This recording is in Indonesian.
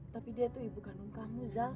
tapi dia tuh ibu kandung kamu